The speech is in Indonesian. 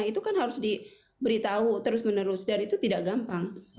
itu kan harus diberitahu terus menerus dan itu tidak gampang